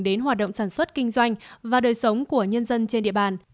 đến hoạt động sản xuất kinh doanh và đời sống của nhân dân trên địa bàn